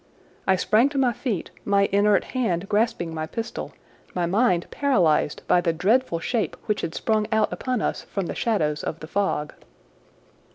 I sprang to my feet, my inert hand grasping my pistol, my mind paralyzed by the dreadful shape which had sprung out upon us from the shadows of the fog.